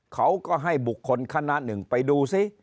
เขาก็ให้บุคคลคณะหนึ่งไปดูซิ